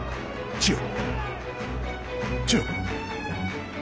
千代。